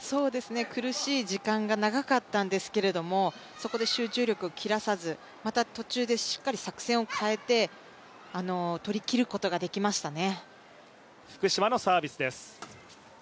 苦しい時間が長かったんですけれどもそこで集中力を切らさずまた途中でしっかり作戦を変えて取りきることができましたね。